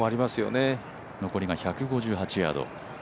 残りが１５８ヤード。